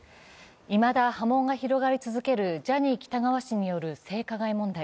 いまだ波紋が広がり続けるジャニー喜多川氏による性加害問題。